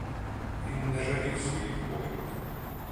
Він не жалів своїх оленів.